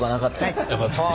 はい。